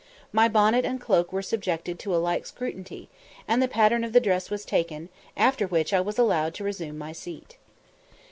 My bonnet and cloak were subjected to a like scrutiny, and the pattern of the dress was taken, after which I was allowed to resume my seat.